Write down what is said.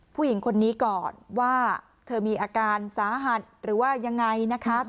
ผู้หญิงคนนี้ก่อนว่าเธอมีอาการสาหัสหรือว่ายังไงนะคะ